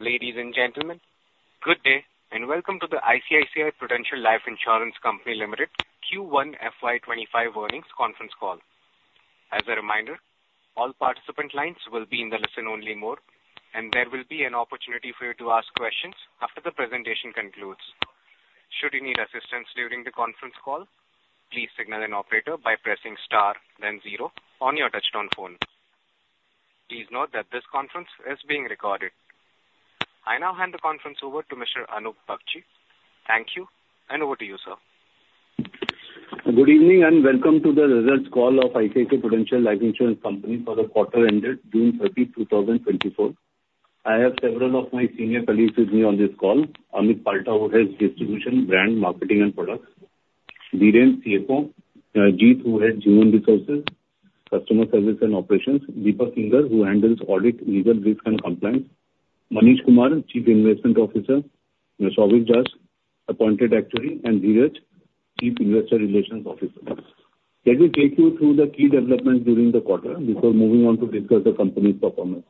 Ladies and gentlemen, good day and welcome to the ICICI Prudential Life Insurance Company Limited Q1 FY 2025 earnings conference call. As a reminder, all participant lines will be in the listen-only mode, and there will be an opportunity for you to ask questions after the presentation concludes. Should you need assistance during the conference call, please signal an operator by pressing star, then zero, on your touch-tone phone. Please note that this conference is being recorded. I now hand the conference over to Mr. Anup Bagchi. Thank you, and over to you, sir. Good evening and welcome to the results call of ICICI Prudential Life Insurance Company for the quarter ended June 30, 2024. I have several of my senior colleagues with me on this call: Amit Palta, who heads distribution, brand, marketing, and products; Dhiren Barot, CFO; Jitendra Arora, who heads human resources, customer service, and operations; Deepak Kinger, who handles audit, legal risk, and compliance; Manish Kumar, Chief Investment Officer; Sourav Khaitan, Appointed Actuary; and Dhiraj Chheda, Chief Investor Relations Officer. Let me take you through the key developments during the quarter before moving on to discuss the company's performance.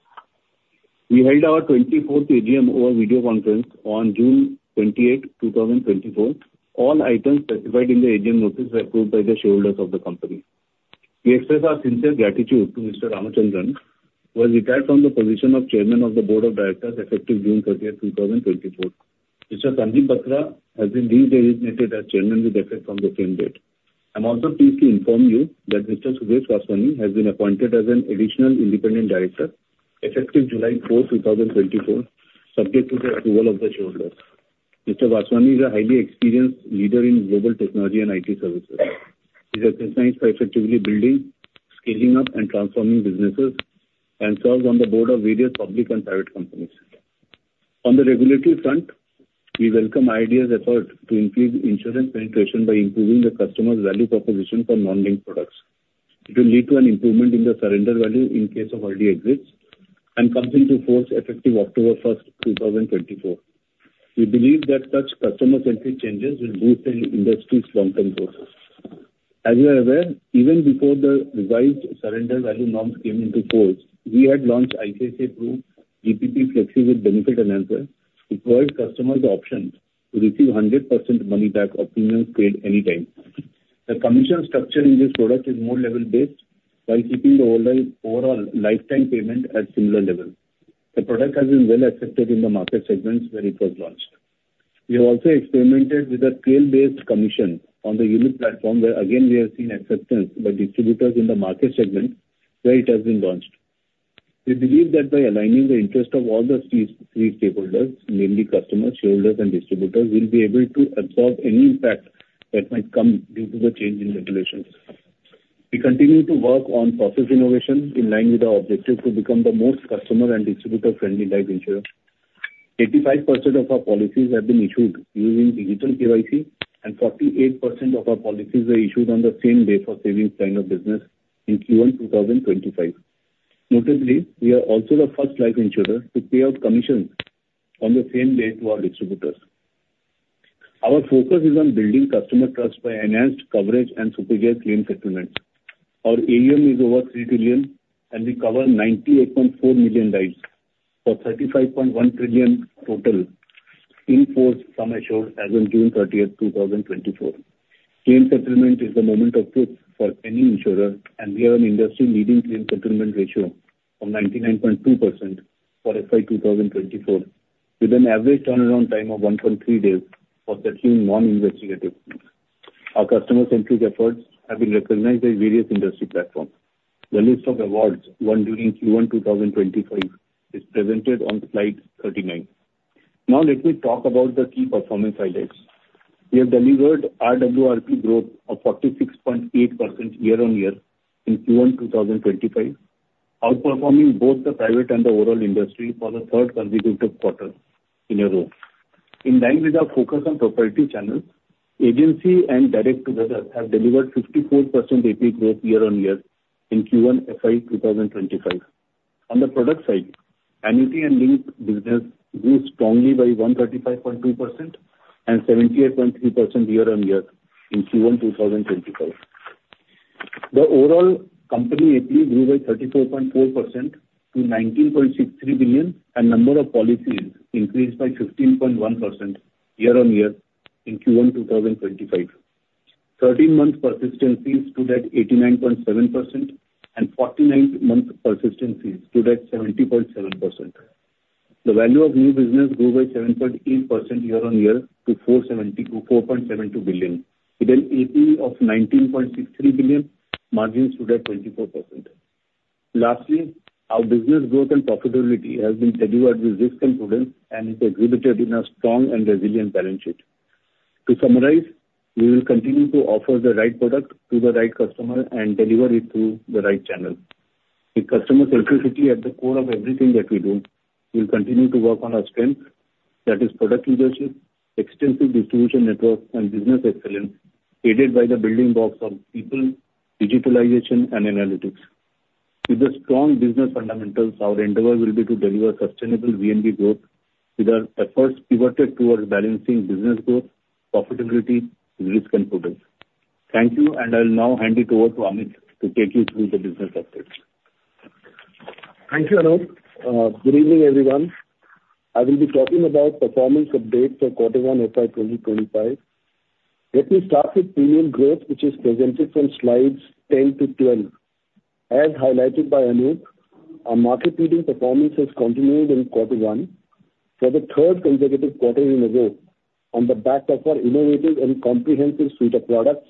We held our 24th AGM over video conference on June 28, 2024. All items specified in the AGM notice were approved by the shareholders of the company. We express our sincere gratitude to Mr. Ramachandran, who has retired from the position of Chairman of the Board of Directors effective June 30, 2024. Mr. Sandeep Batra has been re-designated as Chairman with effect from the same date. I'm also pleased to inform you that Mr. Suresh Vaswani has been appointed as an additional independent director effective July 4, 2024, subject to the approval of the shareholders. Mr. Vaswani is a highly experienced leader in global technology and IT services. He's acclaimed for effectively building, scaling up, and transforming businesses and serves on the board of various public and private companies. On the regulatory front, we welcome IRDAI's effort to increase insurance penetration by improving the customer's value proposition for non-linked products. It will lead to an improvement in the surrender value in case of early exits and comes into force effective October 1, 2024. We believe that such customer-centric changes will boost the industry's long-term growth. As you are aware, even before the revised surrender value norms came into force, we had launched ICICI Prudential GPP Flexi with benefit enhancement to provide customers the option to receive 100% money-back or premiums paid anytime. The commission structure in this product is more level-based while keeping the overall lifetime payment at similar level. The product has been well accepted in the market segments where it was launched. We have also experimented with a scale-based commission on the unit platform, where again we have seen acceptance by distributors in the market segment where it has been launched. We believe that by aligning the interest of all the three stakeholders, namely customers, shareholders, and distributors, we'll be able to absorb any impact that might come due to the change in regulations. We continue to work on process innovation in line with our objective to become the most customer and distributor-friendly life insurer. 85% of our policies have been issued using Digital KYC, and 48% of our policies were issued on the same day for savings line of business in Q1 2025. Notably, we are also the first life insurer to pay out commissions on the same day to our distributors. Our focus is on building customer trust by enhanced coverage and superior claim settlements. Our AUM is over 3 trillion, and we cover 98.4 million lives for 35.1 trillion total sum assured as of June 30, 2024. Claim settlement is the moment of truth for any insurer, and we have an industry-leading claim settlement ratio of 99.2% for FY 2024, with an average turnaround time of 1.3 days for the few non-investigative. Our customer-centric efforts have been recognized by various industry platforms. The list of awards won during Q1 2025 is presented on slide 39. Now, let me talk about the key performance highlights. We have delivered RWRP growth of 46.8% year-on-year in Q1 2025, outperforming both the private and the overall industry for the third consecutive quarter in a row. In line with our focus on proprietary channels, agency and direct vendors have delivered 54% AP growth year-on-year in Q1 FY 2025. On the product side, annuity and linked business grew strongly by 135.2% and 78.3% year-on-year in Q1 2025. The overall company AP grew by 34.4% to 19.63 billion, and number of policies increased by 15.1% year-on-year in Q1 2025. Thirteen-month persistencies stood at 89.7% and 49-month persistencies stood at 70.7%. The value of new business grew by 7.8% year-on-year to 4.72 billion, with an AP of 19.63 billion. Margins stood at 24%. Lastly, our business growth and profitability have been delivered with risk and prudence and is exhibited in a strong and resilient balance sheet. To summarize, we will continue to offer the right product to the right customer and deliver it through the right channel. With customer-centricity at the core of everything that we do, we'll continue to work on our strengths, that is product leadership, extensive distribution network, and business excellence aided by the building blocks of people, digitalization, and analytics. With the strong business fundamentals, our endeavor will be to deliver sustainable VNB growth with our efforts pivoted towards balancing business growth, profitability, risk, and prudence. Thank you, and I'll now hand it over to Amit to take you through the business updates. Thank you, Anup. Good evening, everyone. I will be talking about performance updates for Q1 FY 2025. Let me start with premium growth, which is presented from slides 10 to 12. As highlighted by Anup, our market-leading performance has continued in Q1 for the third consecutive quarter in a row on the back of our innovative and comprehensive suite of products,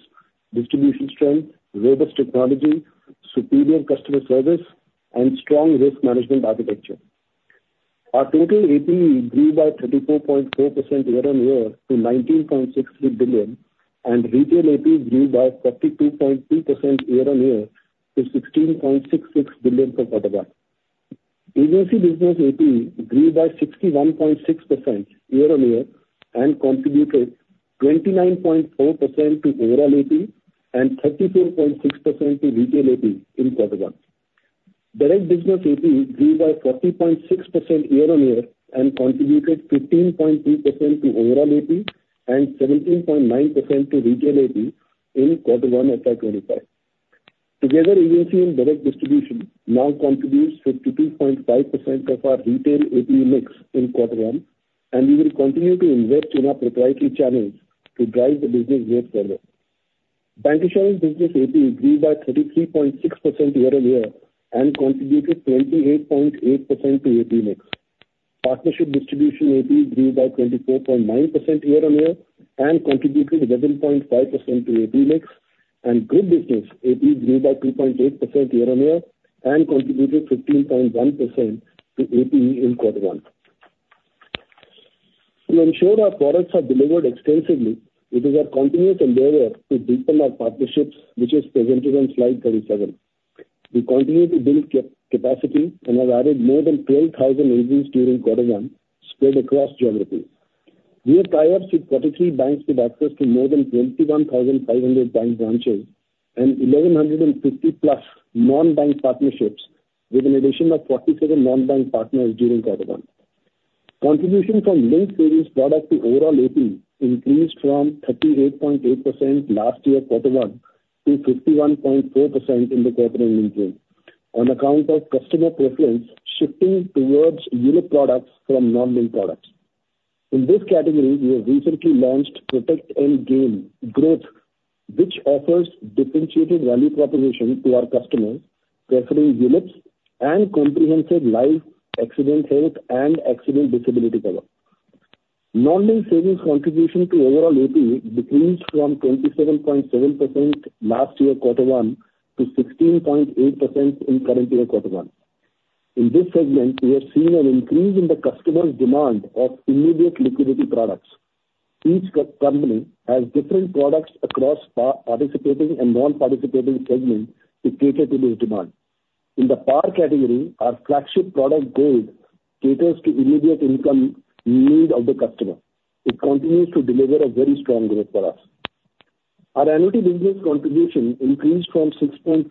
distribution strength, robust technology, superior customer service, and strong risk management architecture. Our total AP grew by 34.4% year-on-year to 19.63 billion, and retail AP grew by 42.2% year-on-year to 16.66 billion per quarter. Agency business AP grew by 61.6% year-on-year and contributed 29.4% to overall AP and 34.6% to retail AP in Q1. Direct business AP grew by 40.6% year-on-year and contributed 15.2% to overall AP and 17.9% to retail AP in Q1 FY 2025. Together, agency and direct distribution now contributes 52.5% of our retail AP mix in Q1, and we will continue to invest in our proprietary channels to drive the business growth further. Bancassurance business AP grew by 33.6% year-on-year and contributed 28.8% to AP mix. Partnership distribution AP grew by 24.9% year-on-year and contributed 11.5% to AP mix, and group business AP grew by 2.8% year-on-year and contributed 15.1% to AP in Q1. To ensure our products are delivered extensively, it is our continuous endeavor to deepen our partnerships, which is presented on slide 37. We continue to build capacity and have added more than 12,000 agents during Q1 spread across geographies. We are tied up with 43 banks with access to more than 21,500 bank branches and 1,150+ non-bank partnerships with an addition of 47 non-bank partners during Q1. Contribution from linked savings product to overall AP increased from 38.8% last year Q1 to 51.4% in the quarter ending period on account of customer preference shifting towards unit products from non-linked products. In this category, we have recently launched Protect N Gain Growth, which offers differentiated value proposition to our customers, preferring units and comprehensive life accident health and accident disability cover. Non-linked savings contribution to overall AP decreased from 27.7% last year Q1 to 16.8% in current year Q1. In this segment, we have seen an increase in the customer's demand of immediate liquidity products. Each company has different products across participating and non-participating segments to cater to this demand. In the PAR category, our flagship product, Gold, caters to immediate income need of the customer. It continues to deliver a very strong growth for us. Our annuity business contribution increased from 6.2%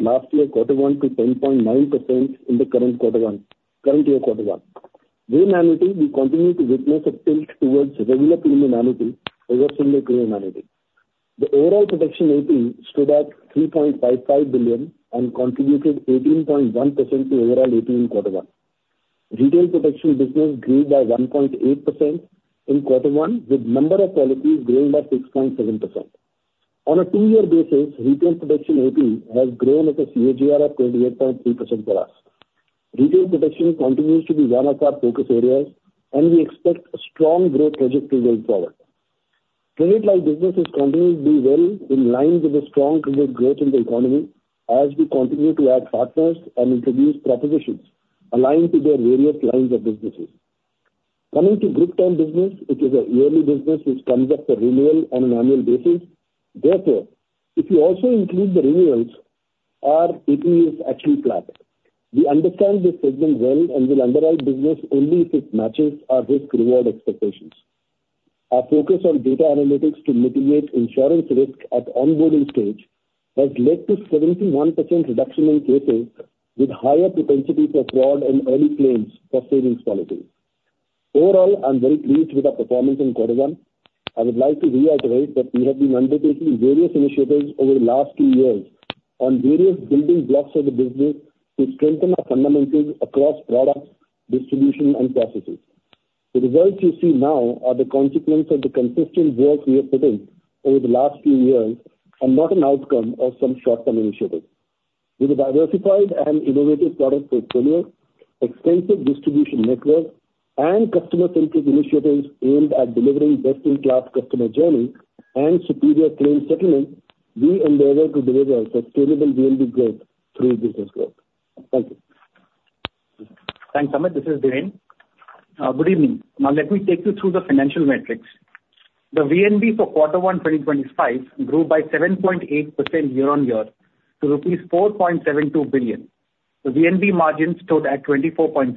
last year Q1 to 10.9% in the current year Q1. With annuity, we continue to witness a tilt towards regular premium annuity over single premium annuity. The overall protection AP stood at 3.55 billion and contributed 18.1% to overall AP in Q1. Retail protection business grew by 1.8% in Q1, with number of policies growing by 6.7%. On a two-year basis, retail protection AP has grown at a CAGR of 28.3% for us. Retail protection continues to be one of our focus areas, and we expect a strong growth trajectory going forward. Credit Life businesses continue to do well in line with the strong credit growth in the economy as we continue to add partners and introduce propositions aligned to their various lines of businesses. Coming to group term business, it is a yearly business which comes up for renewal on an annual basis. Therefore, if you also include the renewals, our AP is actually flat. We understand this segment well and will underwrite business only if it matches our risk-reward expectations. Our focus on data analytics to mitigate insurance risk at onboarding stage has led to 71% reduction in cases with higher propensity for fraud and early claims for savings policies. Overall, I'm very pleased with our performance in Q1. I would like to reiterate that we have been undertaking various initiatives over the last two years on various building blocks of the business to strengthen our fundamentals across products, distribution, and processes. The results you see now are the consequence of the consistent work we have put in over the last few years and not an outcome of some short-term initiative. With a diversified and innovative product portfolio, extensive distribution network, and customer-centric initiatives aimed at delivering best-in-class customer journey and superior claim settlement, we endeavor to deliver a sustainable VNB growth through business growth. Thank you. Thanks, Amit. This is Dhiren. Good evening. Now, let me take you through the financial metrics. The VNB for Q1 2025 grew by 7.8% year-on-year to rupees 4.72 billion. The VNB margin stood at 24.0%.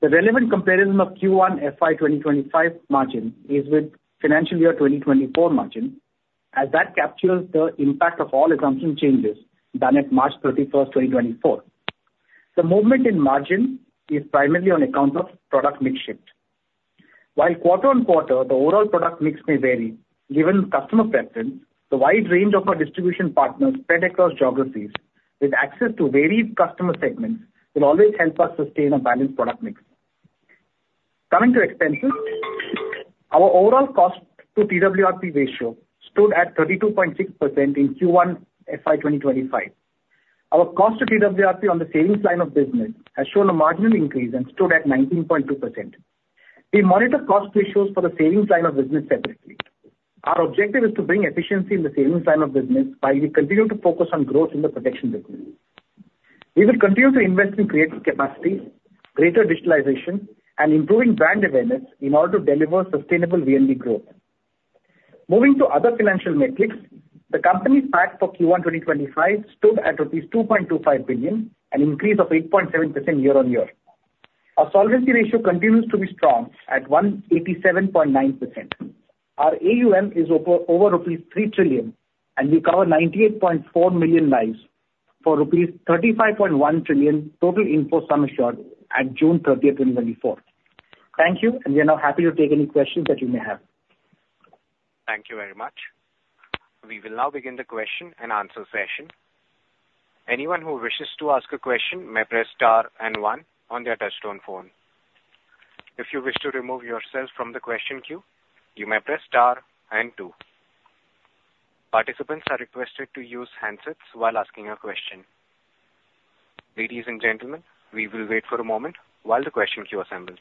The relevant comparison of Q1 FY 2025 margin is with financial year 2024 margin as that captures the impact of all assumption changes done at March 31, 2024. The movement in margin is primarily on account of product mix shift. While quarter-on-quarter, the overall product mix may vary given customer preference, the wide range of our distribution partners spread across geographies with access to varied customer segments will always help us sustain a balanced product mix. Coming to expenses, our overall cost-to-TWRP ratio stood at 32.6% in Q1 FY 2025. Our cost-to-TWRP on the savings line of business has shown a marginal increase and stood at 19.2%. We monitor cost ratios for the savings line of business separately. Our objective is to bring efficiency in the savings line of business while we continue to focus on growth in the protection business. We will continue to invest in agency capacity, greater digitalization, and improving brand awareness in order to deliver sustainable VNB growth. Moving to other financial metrics, the company's AP for Q1 2025 stood at 2.25 billion, an increase of 8.7% year-on-year. Our solvency ratio continues to be strong at 187.9%. Our AUM is over rupees 3 trillion, and we cover 98.4 million lives for rupees 35.1 trillion total sum assured at June 30, 2024. Thank you, and we are now happy to take any questions that you may have. Thank you very much. We will now begin the question and answer session. Anyone who wishes to ask a question may press star and one on their touch-tone phone. If you wish to remove yourself from the question queue, you may press star and two. Participants are requested to use handsets while asking a question. Ladies and gentlemen, we will wait for a moment while the question queue assembles.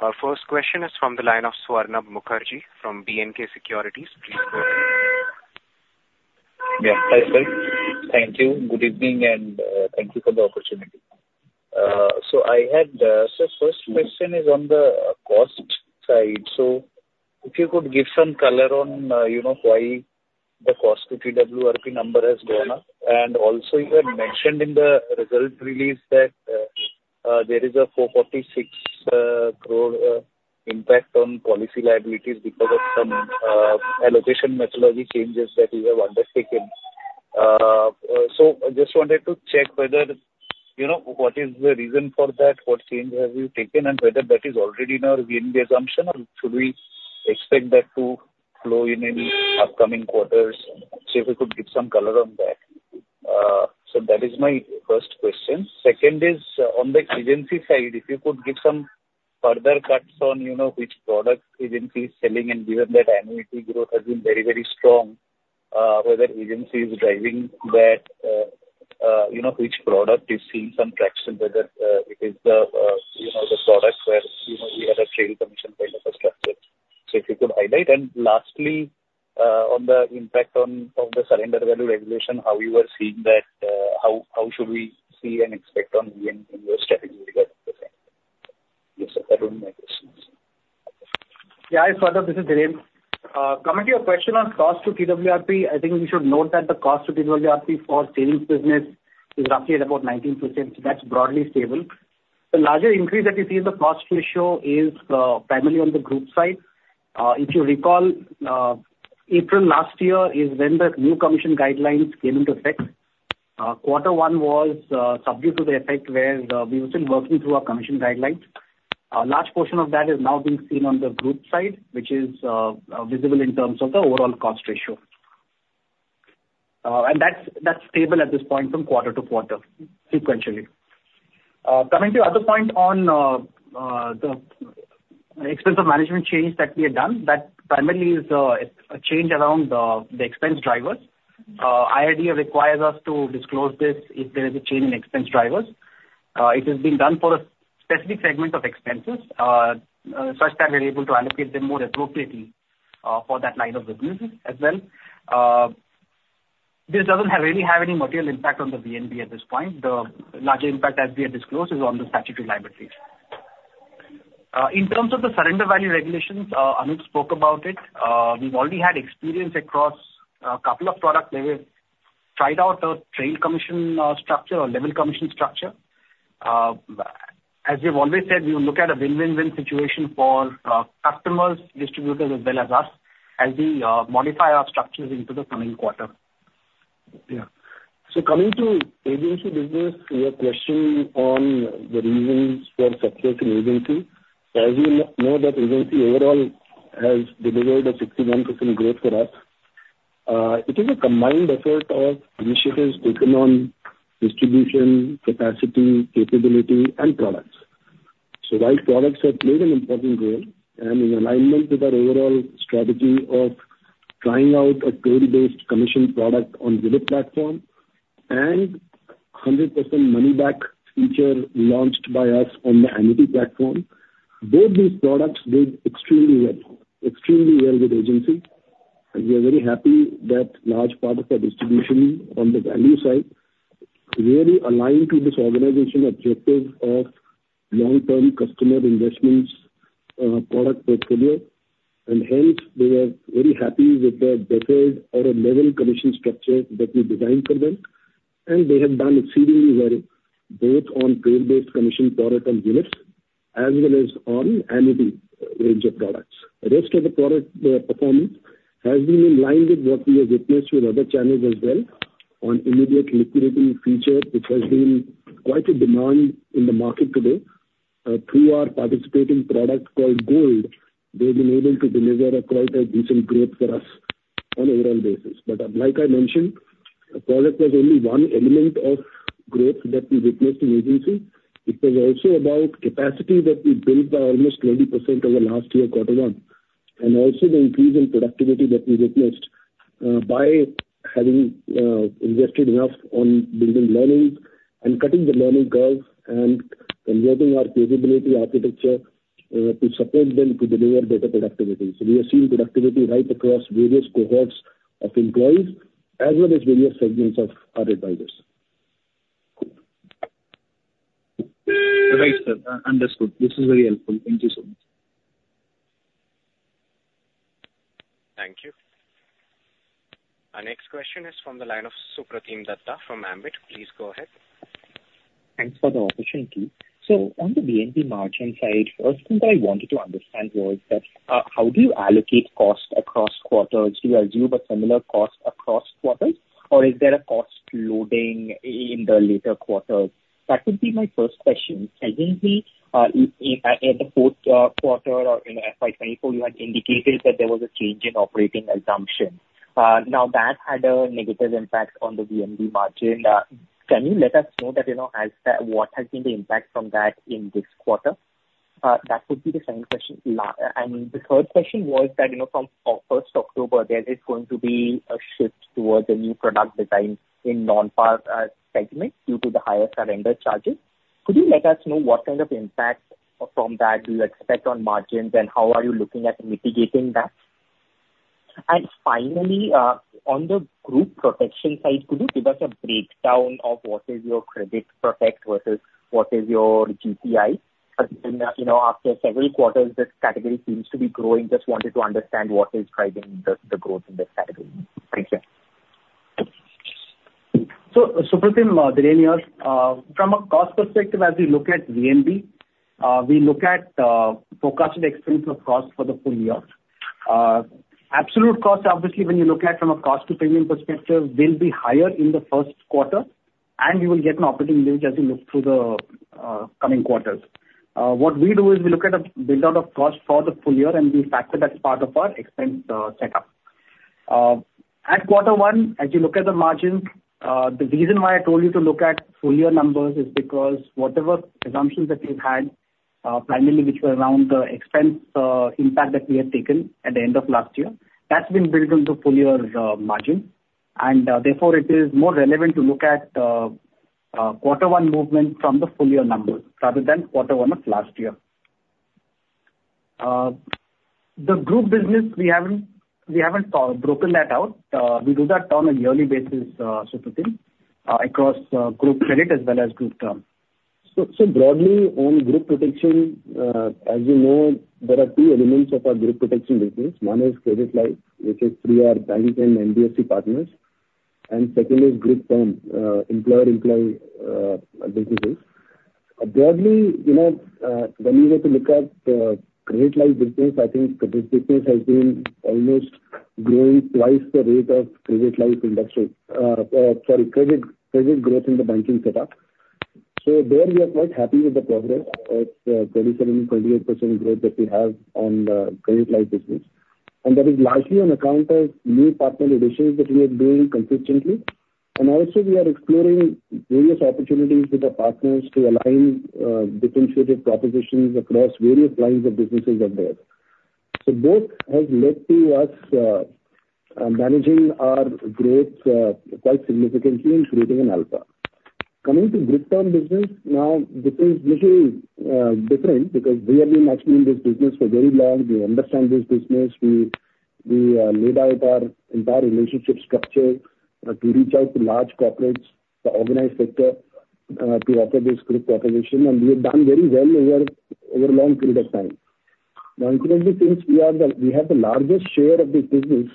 Our first question is from the line of Swarnabha Mukherjee from B&K Securities. Please go ahead. Yeah, hi sir. Thank you. Good evening, and thank you for the opportunity. So I had, so first question is on the cost side. So if you could give some color on why the cost-to-TWRP number has gone up. And also, you had mentioned in the results release that there is an 446 crore impact on policy liabilities because of some allocation methodology changes that you have undertaken. So I just wanted to check whether what is the reason for that, what change have you taken, and whether that is already in our VNB assumption, or should we expect that to flow in in upcoming quarters? See if you could give some color on that. So that is my first question. Second is on the agency side, if you could give some further cuts on which product agency is selling, and given that annuity growth has been very, very strong, whether agency is driving that, which product is seeing some traction, whether it is the product where we had a trail commission kind of a structure. So if you could highlight. And lastly, on the impact of the surrender value regulation, how you are seeing that, how should we see and expect on VNB strategy regarding the same. Yes, sir, I don't have any questions. Yeah, hi Swarnabha, this is Dhiren. Coming to your question on cost-to-TWRP, I think we should note that the cost-to-TWRP for savings business is roughly at about 19%, so that's broadly stable. The larger increase that we see in the cost ratio is primarily on the group side. If you recall, April last year is when the new commission guidelines came into effect. Quarter one was subject to the effect where we were still working through our commission guidelines. A large portion of that is now being seen on the group side, which is visible in terms of the overall cost ratio. And that's stable at this point from quarter to quarter, sequentially. Coming to the other point on the expense of management change that we have done, that primarily is a change around the expense drivers. IRDAI requires us to disclose this if there is a change in expense drivers. It has been done for a specific segment of expenses such that we are able to allocate them more appropriately for that line of business as well. This doesn't really have any material impact on the VNB at this point. The larger impact as we have disclosed is on the statutory liabilities. In terms of the surrender value regulations, Anup spoke about it. We've already had experience across a couple of products. They have tried out a trail commission structure or level commission structure. As we've always said, we will look at a win-win in situation for customers, distributors, as well as us as we modify our structures into the coming quarter. Yeah. So coming to agency business, your question on the reasons for success in agency. As you know, that agency overall has delivered a 61% growth for us. It is a combined effort of initiatives taken on distribution, capacity, capability, and products. So while products have played an important role and in alignment with our overall strategy of trying out a trail-based commission product on the platform and 100% money-back feature launched by us on the annuity platform, both these products did extremely well, extremely well with agency. And we are very happy that large part of our distribution on the value side really aligned to this organization objective of long-term customer investments product portfolio. And hence, we were very happy with the deferred or a level commission structure that we designed for them. And they have done exceedingly well both on trail-based commission product on units as well as on annuity range of products. The rest of the product performance has been in line with what we have witnessed with other channels as well on immediate liquidity feature, which has been quite a demand in the market today. Through our participating product called Gold, they've been able to deliver a quite decent growth for us on an overall basis. But like I mentioned, product was only one element of growth that we witnessed in agency. It was also about capacity that we built by almost 20% over last year, quarter one. And also the increase in productivity that we witnessed by having invested enough on building learnings and cutting the learning curve and converting our capability architecture to support them to deliver better productivity. So we have seen productivity right across various cohorts of employees as well as various segments of our advisors. Right, sir. Understood. This is very helpful. Thank you so much. Thank you. Our next question is from the line of Supratim Datta from Ambit Capital. Please go ahead. Thanks for the opportunity. So on the VNB margin side, first thing that I wanted to understand was that how do you allocate cost across quarters? Do you assume a similar cost across quarters, or is there a cost loading in the later quarters? That would be my first question. Presently, in the fourth quarter or FY 2024, you had indicated that there was a change in operating assumption. Now, that had a negative impact on the VNB margin. Can you let us know that what has been the impact from that in this quarter? That would be the second question. And the third question was that from 1st October, there is going to be a shift towards a new product design in non-PAR segment due to the higher surrender charges. Could you let us know what kind of impact from that do you expect on margins, and how are you looking at mitigating that? And finally, on the group protection side, could you give us a breakdown of what is your credit protect versus what is your GTI? After several quarters, this category seems to be growing. Just wanted to understand what is driving the growth in this category. Thank you. Supratim, Dhiren here. From a cost perspective, as we look at VNB, we look at forecasted expense of cost for the full year. Absolute cost, obviously, when you look at from a cost-to-premium perspective, will be higher in the first quarter, and you will get an operating range as you look through the coming quarters. What we do is we look at a build-out of cost for the full year, and we factor that part of our expense setup. At quarter one, as you look at the margins, the reason why I told you to look at full year numbers is because whatever assumptions that we've had, primarily which were around the expense impact that we had taken at the end of last year, that's been built into full year margins. Therefore, it is more relevant to look at quarter one movement from the full year numbers rather than quarter one of last year. The group business, we haven't broken that out. We do that on a yearly basis, Supratim, across group credit as well as group term. So broadly, on group protection, as you know, there are two elements of our group protection business. One is credit-like, which is through our bank and NBFC partners. And second is group term, employer-employee businesses. Broadly, when you were to look at credit-like business, I think this business has been almost growing twice the rate of credit-like industry or, sorry, credit growth in the banking setup. So there, we are quite happy with the progress of 27%-28% growth that we have on the credit-like business. And that is largely on account of new partner additions that we are doing consistently. And also, we are exploring various opportunities with our partners to align differentiated propositions across various lines of businesses of theirs. So both have led to us managing our growth quite significantly and creating an alpha. Coming to group term business, now, this is a little different because we have been actually in this business for very long. We understand this business. We laid out our entire relationship structure to reach out to large corporates, the organized sector, to offer this group proposition. And we have done very well over a long period of time. Now, incidentally, since we have the largest share of this business,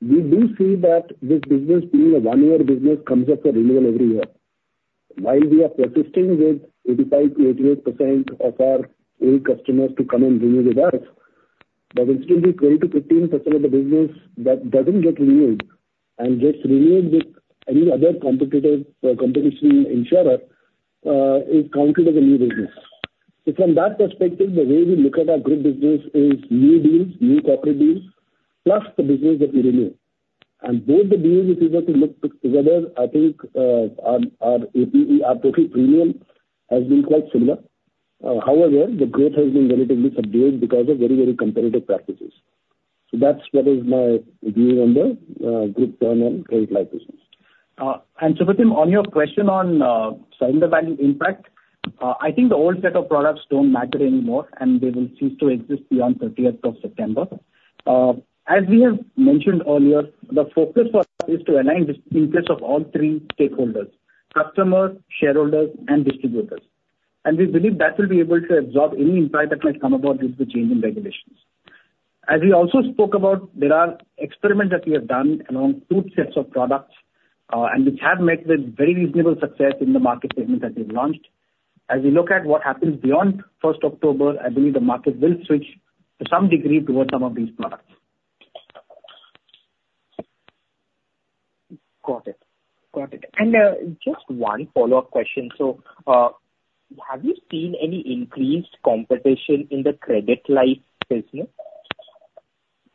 we do see that this business being a one-year business comes up for renewal every year. While we are persisting with 85%-88% of our old customers to come and renew with us, there will still be 12%-15% of the business that doesn't get renewed and gets renewed with any other competing insurer, is counted as a new business. So from that perspective, the way we look at our group business is new deals, new corporate deals, plus the business that we renew. And both the deals, if you were to look together, I think our profit premium has been quite similar. However, the growth has been relatively subdued because of very, very competitive practices. So that's what is my view on the group term and credit-like business. Supratim, on your question on surrender value impact, I think the old set of products don't matter anymore, and they will cease to exist beyond 30th of September. As we have mentioned earlier, the focus for us is to align this in place of all three stakeholders: customers, shareholders, and distributors. We believe that will be able to absorb any impact that might come about due to the changing regulations. As we also spoke about, there are experiments that we have done along two sets of products, and which have met with very reasonable success in the market segment that we've launched. As we look at what happens beyond 1st October, I believe the market will switch to some degree towards some of these products. Got it. Got it. And just one follow-up question. So have you seen any increased competition in the credit-like business in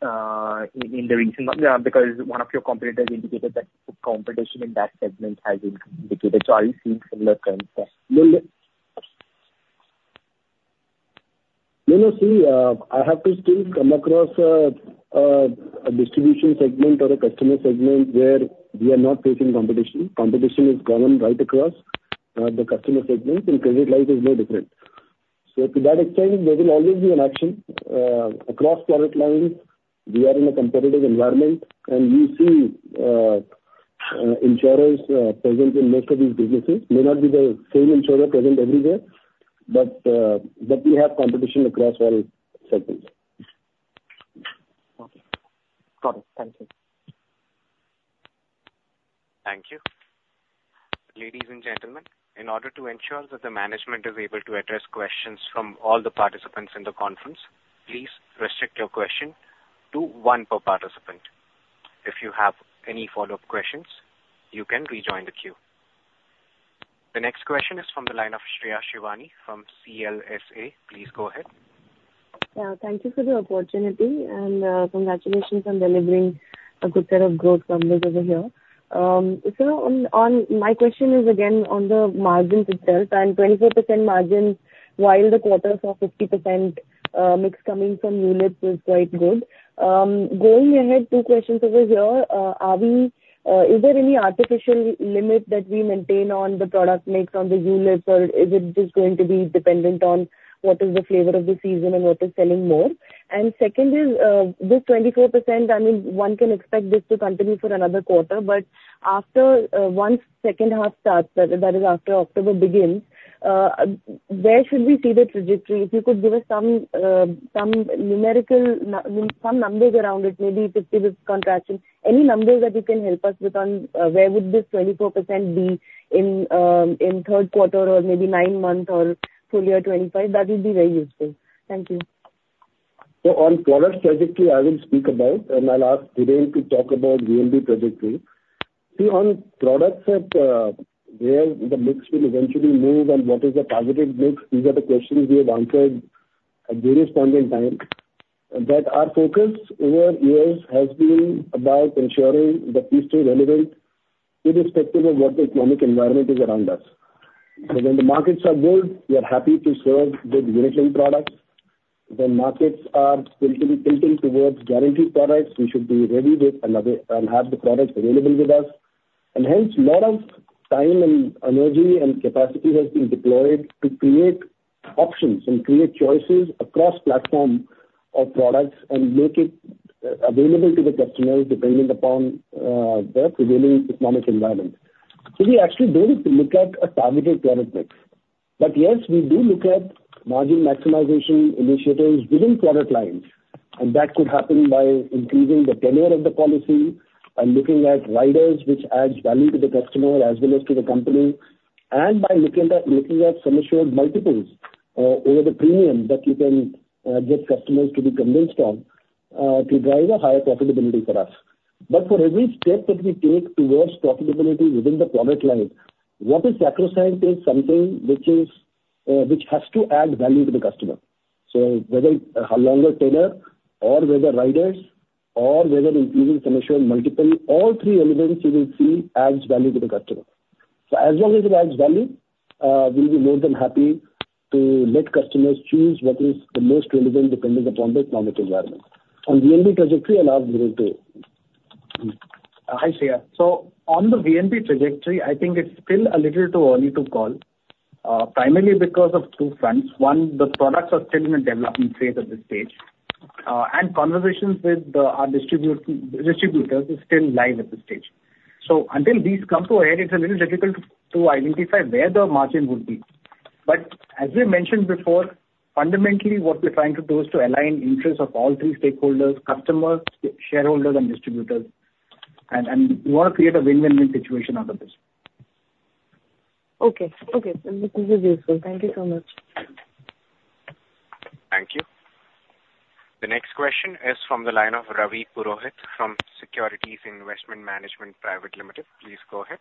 the recent months? Because one of your competitors indicated that competition in that segment has been indicated. So are you seeing similar trends there? No, no. See, I have to still come across a distribution segment or a customer segment where we are not facing competition. Competition is common right across the customer segment, and credit-like is no different. So to that extent, there will always be an action. Across product lines, we are in a competitive environment, and we see insurers present in most of these businesses. It may not be the same insurer present everywhere, but we have competition across all segments. Got it. Got it. Thank you. Thank you. Ladies and gentlemen, in order to ensure that the management is able to address questions from all the participants in the conference, please restrict your question to one per participant. If you have any follow-up questions, you can rejoin the queue. The next question is from the line of Shreya Shivani from CLSA. Please go ahead. Yeah, thank you for the opportunity and congratulations on delivering a good set of growth numbers over here. So my question is again on the margins itself. And 24% margins while the quarters are 50% mix coming from units is quite good. Going ahead, two questions over here. Is there any artificial limit that we maintain on the product mix on the units, or is it just going to be dependent on what is the flavor of the season and what is selling more? And second is this 24%, I mean, one can expect this to continue for another quarter, but after once second half starts, that is, after October begins, where should we see the trajectory? If you could give us some numerical, some numbers around it, maybe 50 with contraction, any numbers that you can help us with on where would this 24% be in third quarter or maybe nine months or full year 2025, that would be very useful. Thank you. So, on product trajectory, I will speak about. And I'll ask Dhiren to talk about VNB trajectory. See, on products where the mix will eventually move and what is the targeted mix, these are the questions we have answered at various points in time. That our focus over years has been about ensuring that these stay relevant irrespective of what the economic environment is around us. So when the markets are good, we are happy to serve with unit-linked products. When markets are tending towards guaranteed products, we should be ready with and have the products available with us. And hence, a lot of time and energy and capacity has been deployed to create options and create choices across platform of products and make it available to the customers depending upon their prevailing economic environment. So we actually don't look at a targeted product mix. But yes, we do look at margin maximization initiatives within product lines. And that could happen by increasing the tenure of the policy and looking at riders, which adds value to the customer as well as to the company. And by looking at some assured multiples over the premium that you can get customers to be convinced of to drive a higher profitability for us. But for every step that we take towards profitability within the product line, what is sacrificed is something which has to add value to the customer. So whether it's a longer tenure or whether riders or whether increasing some assured multiple, all three elements you will see add value to the customer. So as long as it adds value, we'll be more than happy to let customers choose what is the most relevant depending upon the economic environment. On VNB trajectory, I'll ask Dhiren too. Hi, Shreya. So on the VNB trajectory, I think it's still a little too early to call, primarily because of two fronts. One, the products are still in a development phase at this stage, and conversations with our distributors are still live at this stage. So until these come to a head, it's a little difficult to identify where the margin would be. But as we mentioned before, fundamentally, what we're trying to do is to align interests of all three stakeholders: customers, shareholders, and distributors. And we want to create a win-win situation out of this. Okay. This is useful. Thank you so much. Thank you. The next question is from the line of Ravi Purohit from Securities Investment Management Private Limited. Please go ahead.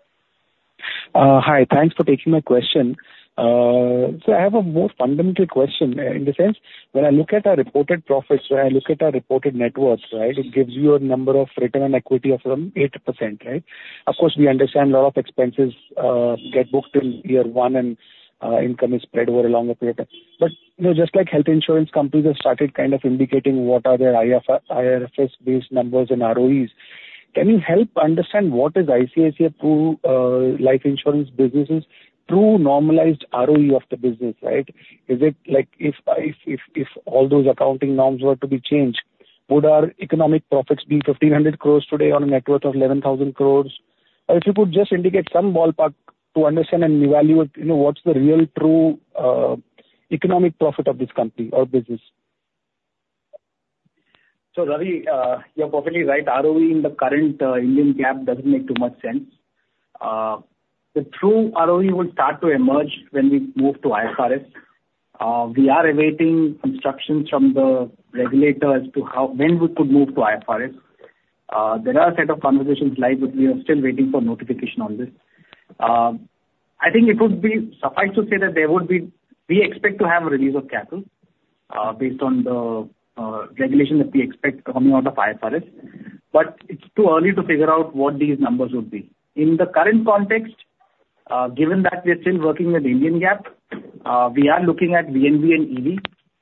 Hi. Thanks for taking my question. So I have a more fundamental question in the sense when I look at our reported profits, when I look at our reported net worth, right, it gives you a number of return on equity of around 8%, right? Of course, we understand a lot of expenses get booked in year one and income is spread over a longer period of time. But just like health insurance companies have started kind of indicating what are their IFRS-based numbers and ROEs, can you help understand what is ICICI Prudential Life Insurance business's normalized ROE of the business, right? Is it like if all those accounting norms were to be changed, would our economic profits be 1,500 crore today on a net worth of 11,000 crore? If you could just indicate some ballpark to understand and evaluate what's the real true economic profit of this company or business? So Ravi, you're perfectly right. ROE in the current Indian GAAP doesn't make too much sense. The true ROE will start to emerge when we move to IFRS. We are awaiting instructions from the regulators to when we could move to IFRS. There are a set of conversations live, but we are still waiting for notification on this. I think it would suffice to say that we expect to have a release of capital based on the regulation that we expect coming out of IFRS. But it's too early to figure out what these numbers would be. In the current context, given that we are still working with Indian GAAP, we are looking at VNB and EV.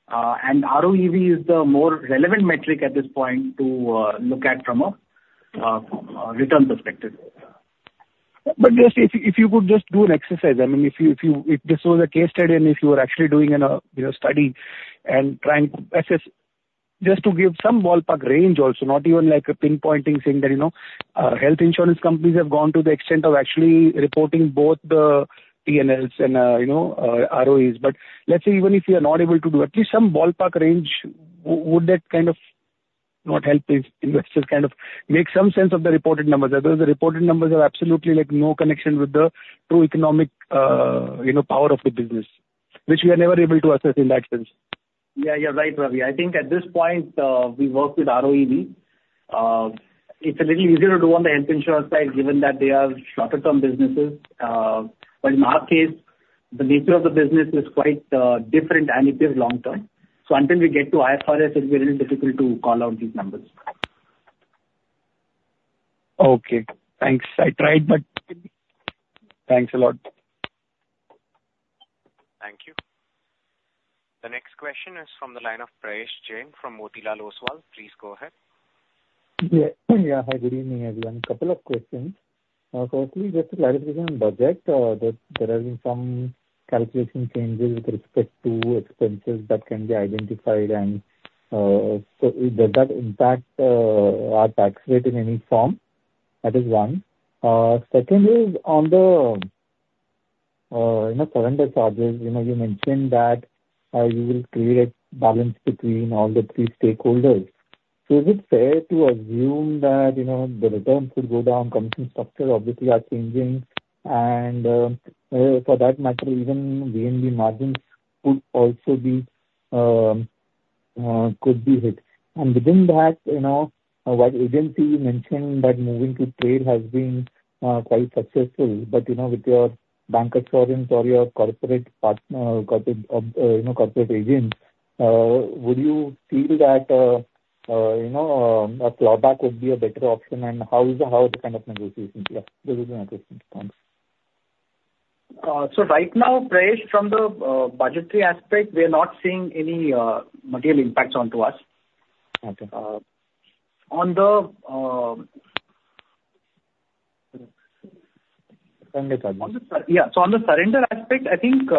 And ROEV is the more relevant metric at this point to look at from a return perspective. But just if you could just do an exercise, I mean, if this was a case study and if you were actually doing a study and trying to assess just to give some ballpark range also, not even like a pinpointing saying that health insurance companies have gone to the extent of actually reporting both the P&Ls and ROEs. But let's say even if you are not able to do at least some ballpark range, would that kind of not help investors kind of make some sense of the reported numbers? Otherwise, the reported numbers have absolutely no connection with the true economic power of the business, which we are never able to assess in that sense. Yeah, you're right, Ravi. I think at this point, we work with ROEV. It's a little easier to do on the health insurance side given that they are shorter-term businesses. But in our case, the nature of the business is quite different and it is long-term. So until we get to IFRS, it will be a little difficult to call out these numbers. Okay. Thanks. I tried, but thanks a lot. Thank you. The next question is from the line of Prayesh Jain from Motilal Oswal. Please go ahead. Yeah. Hi, good evening, everyone. A couple of questions. Firstly, just a clarification on budget. There have been some calculation changes with respect to expenses that can be identified. And so does that impact our tax rate in any form? That is one. Second is on the surrender charges, you mentioned that you will create a balance between all the three stakeholders. So is it fair to assume that the returns would go down? Companies' structures obviously are changing. And for that matter, even VNB margins could also be hit. And within that, one agency mentioned that moving to trade has been quite successful. But with your bancassurance or your corporate agent, would you feel that a fallback would be a better option? And how is the kind of negotiation? Yeah. This is my question. Thanks. So right now, Prayesh, from the budgetary aspect, we are not seeing any material impacts onto us. On the- Surrender charges. Yeah. So on the surrender aspect, I think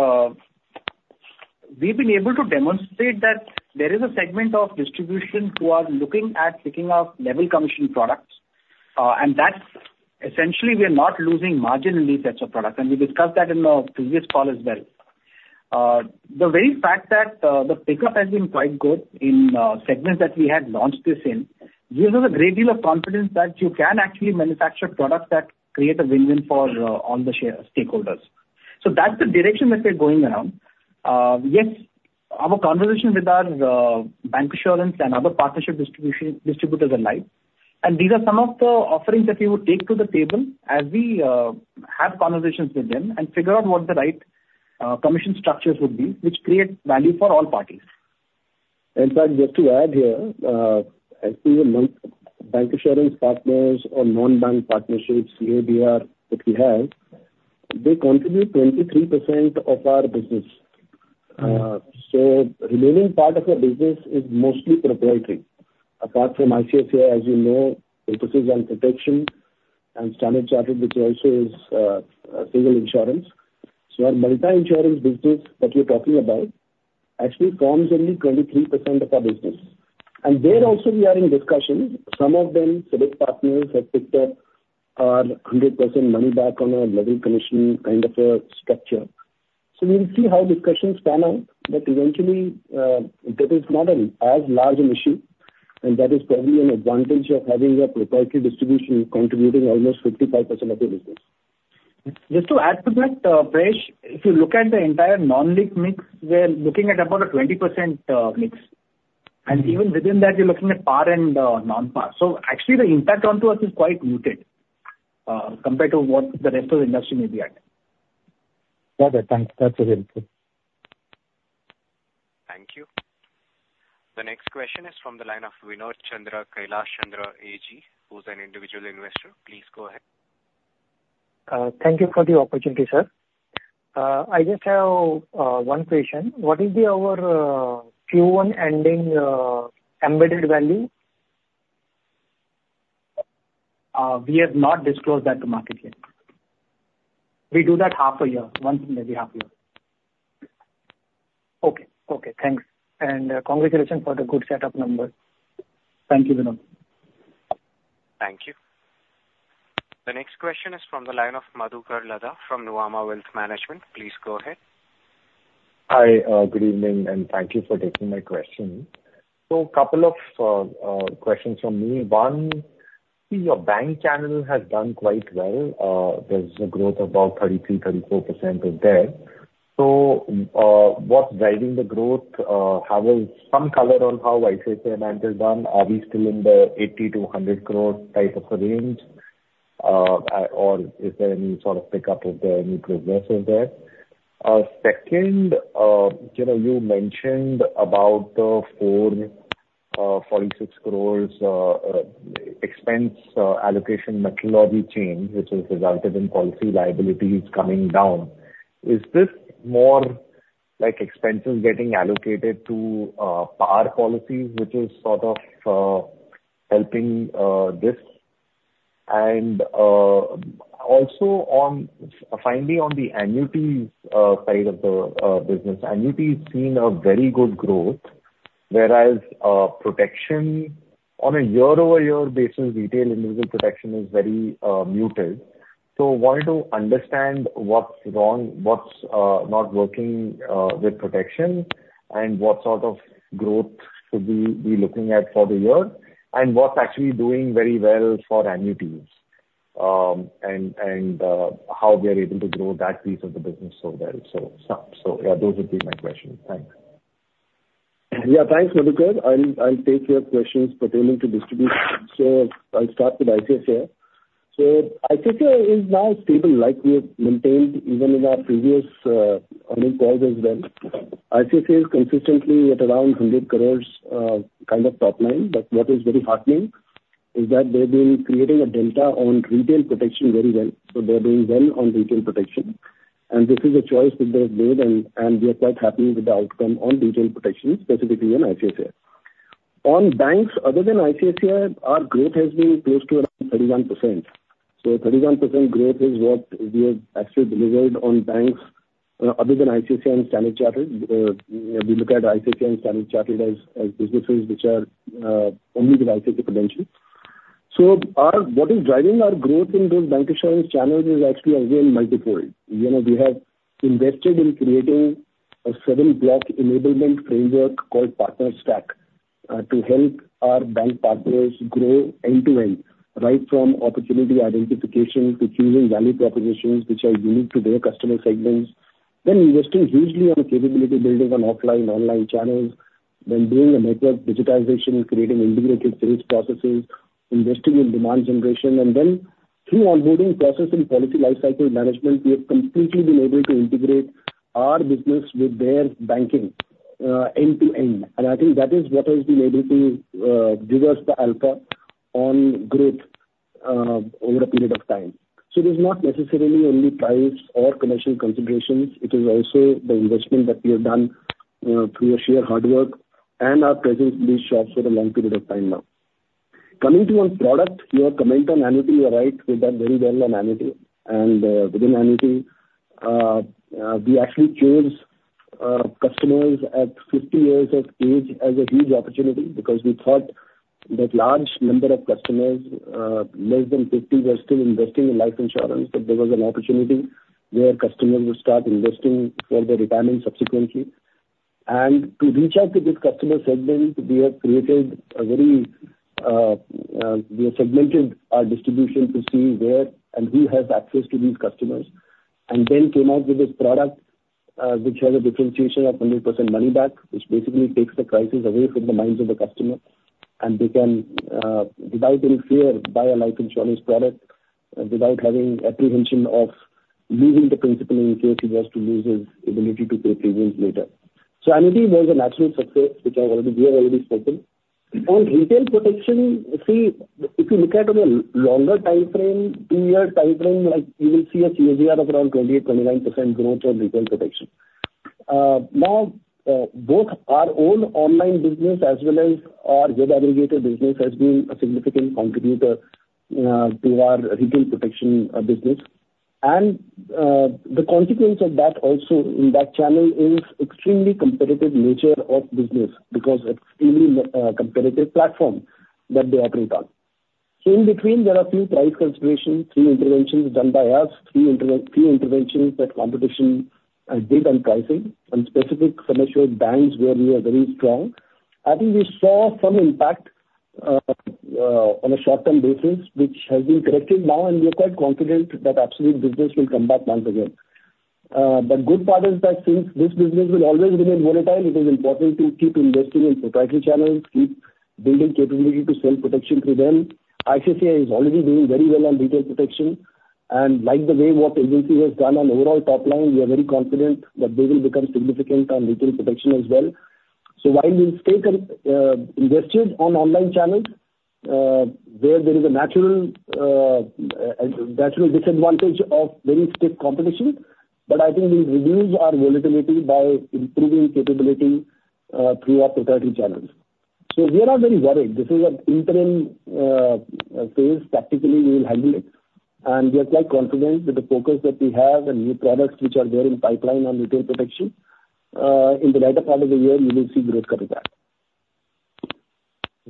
we've been able to demonstrate that there is a segment of distribution who are looking at picking up level commission products. And that's essentially we are not losing margin in these types of products. And we discussed that in the previous call as well. The very fact that the pickup has been quite good in segments that we had launched this in gives us a great deal of confidence that you can actually manufacture products that create a win-win for all the stakeholders. So that's the direction that we're going around. Yes, our conversation with our bancassurance and other partnership distributors alike. And these are some of the offerings that we would take to the table as we have conversations with them and figure out what the right commission structures would be, which create value for all parties. In fact, just to add here, amongst bancassurance partners or non-bank partnerships, CA, BR, that we have, they contribute 23% of our business. So the remaining part of our business is mostly proprietary. Apart from ICICI, as you know, emphasis on protection and Standard Chartered, which also is single insurer. So our multi-insurer business that you're talking about actually forms only 23% of our business. And there also, we are in discussion. Some of them, some partners have picked up our 100% money back on our level commission kind of a structure. So we will see how discussions pan out. But eventually, that is not as large an issue. And that is probably an advantage of having a proprietary distribution contributing almost 55% of the business. Just to add to that, Prayesh, if you look at the entire non-linked mix, we're looking at about a 20% mix. And even within that, you're looking at PAR and non-PAR. So actually, the impact onto us is quite muted compared to what the rest of the industry may be at. Got it. Thanks. That's very helpful. Thank you. The next question is from the line of Vinod Chandra, Kailash Chandra Agrawal, who's an individual investor. Please go ahead. Thank you for the opportunity, sir. I just have one question. What is the Q1 ending Embedded Value? We have not disclosed that to market yet. We do that half a year, once in every half year. Okay. Thanks. And congratulations for the good setup numbers. Thank you, Vinod. Thank you. The next question is from the line of Madhukar Ladha from Nuvama Wealth Management. Please go ahead. Hi, good evening, and thank you for taking my question. So a couple of questions from me. One, your bank channel has done quite well. There's a growth of about 33%-34% in there. So what's driving the growth? How about some color on how ICICI Bank has done? Are we still in the 80 crore-100 crore type of a range? Or is there any sort of pickup of the new products there? Second, you mentioned about the 446 crores expense allocation methodology change, which has resulted in policy liabilities coming down. Is this more like expenses getting allocated to PAR policies, which is sort of helping this? And also finally, on the annuities side of the business, annuities seen a very good growth, whereas protection on a year-over-year basis, retail individual protection is very muted. So I wanted to understand what's wrong, what's not working with protection, and what sort of growth should we be looking at for the year? And what's actually doing very well for annuities? And how we are able to grow that piece of the business so well? So yeah, those would be my questions. Thanks. Yeah, thanks, Madhukar. I'll take your questions pertaining to distribution. So I'll start with ICICI. So ICICI is now stable like we have maintained even in our previous earnings calls as well. ICICI is consistently at around 100 crore kind of top line. But what is very heartening is that they've been creating a delta on retail protection very well. So they're doing well on retail protection. And this is a choice that they've made. And we are quite happy with the outcome on retail protection, specifically in ICICI. On banks, other than ICICI, our growth has been close to around 31%. So 31% growth is what we have actually delivered on banks other than ICICI and Standard Chartered. We look at ICICI and Standard Chartered as businesses which are only with ICICI credentials. So what is driving our growth in those bank assurance channels is actually, again, multi-fold. We have invested in creating a seven-block enablement framework called Partner Stack to help our bank partners grow end-to-end, right from opportunity identification to choosing value propositions which are unique to their customer segments. Then investing hugely on capability building on offline, online channels, then doing a network digitization, creating integrated sales processes, investing in demand generation. And then through onboarding process and policy lifecycle management, we have completely been able to integrate our business with their banking end-to-end. I think that is what has been able to give us the alpha on growth over a period of time. So it is not necessarily only price or commercial considerations. It is also the investment that we have done through sheer hard work and our presence in these shops for a long period of time now. Coming to our product, your comment on annuity, you're right, we've done very well on annuity. Within annuity, we actually chose customers at 50 years of age as a huge opportunity because we thought that large number of customers, less than 50, were still investing in life insurance. But there was an opportunity where customers would start investing for their retirement subsequently. To reach out to this customer segment, we have segmented our distribution to see where and who has access to these customers. And then came out with this product which has a differentiation of 100% money back, which basically takes the crisis away from the minds of the customer. They can, without any fear, buy a life insurance product without having apprehension of losing the principal in case he was to lose his ability to pay premiums later. Annuity was a natural success, which we have already spoken. On retail protection, see, if you look at a longer time frame, 2-year time frame, you will see a CAGR of around 28%-29% growth on retail protection. Now, both our own online business as well as our web aggregator business has been a significant contributor to our retail protection business. And the consequence of that also in that channel is extremely competitive nature of business because it's extremely competitive platform that they operate on. So in between, there are a few price considerations, 3 interventions done by us, 3 interventions that competition did on pricing, and specific super-mature banks where we are very strong. I think we saw some impact on a short-term basis, which has been corrected now. And we are quite confident that absolute business will come back once again. But the good part is that since this business will always remain volatile, it is important to keep investing in proprietary channels, keep building capability to sell protection through them. ICICI is already doing very well on retail protection. And like the way what the agency has done on overall top line, we are very confident that they will become significant on retail protection as well. While we'll stay invested on online channels where there is a natural disadvantage of very stiff competition, but I think we'll reduce our volatility by improving capability through our proprietary channels. We are not very worried. This is an interim phase. Practically, we will handle it. We are quite confident with the focus that we have and new products which are there in pipeline on retail protection. In the latter part of the year, we will see growth coming back.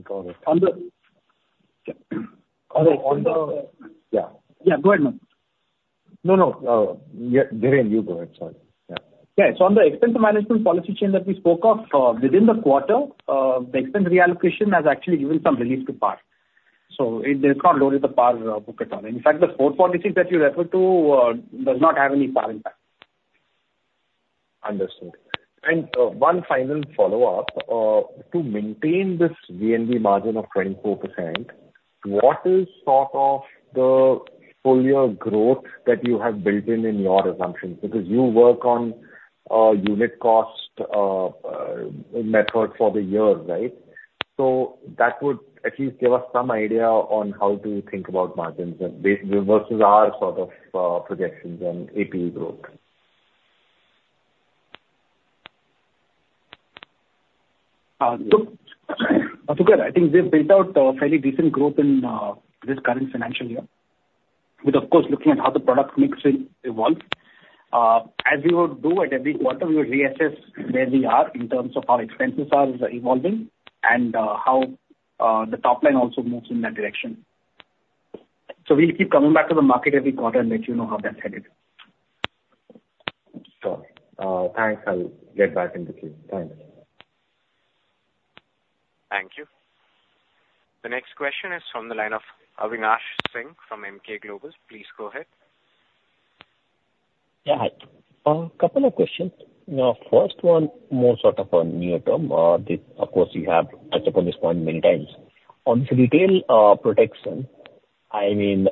Got it. On the- Sorry. On the- Yeah. Yeah. Go ahead, Madhukar. No, no. Dhiren, you go ahead. Sorry. Yeah. Yeah. So on the expense management policy change that we spoke of, within the quarter, the expense reallocation has actually given some relief to par. So there's not loaded the par book at all. In fact, the four policies that you referred to does not have any par impact. Understood. One final follow-up. To maintain this VNB margin of 24%, what is sort of the full year growth that you have built in in your assumptions? Because you work on unit cost method for the year, right? That would at least give us some idea on how to think about margins versus our sort of projections on AP growth. Madhukar, I think we have built out a fairly decent growth in this current financial year, with, of course, looking at how the product mix evolves. As we would do at every quarter, we would reassess where we are in terms of how expenses are evolving and how the top line also moves in that direction. So we'll keep coming back to the market every quarter and let you know how that's headed. Sure. Thanks. I'll get back in the queue. Thanks. Thank you. The next question is from the line of Avinash Singh from Emkay Global. Please go ahead. Yeah. A couple of questions. First one, more sort of a near-term. Of course, we have touched upon this point many times. On retail protection, I mean,